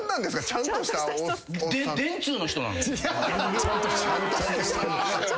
ちゃんとしてる。